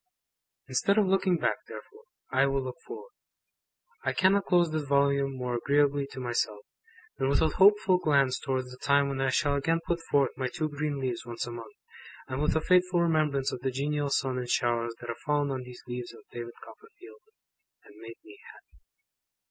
Instead of looking back, therefore, I will look forward. I cannot close this Volume more agreeably to myself, than with a hopeful glance towards the time when I shall again put forth my two green leaves once a month, and with a faithful remembrance of the genial sun and showers that have fallen on these leaves of David Copperfield, and made me happy.